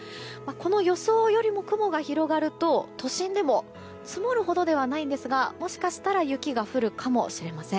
この予想よりも雲が広がると都心でも積もるほどではないんですがもしかしたら雪が降るかもしれません。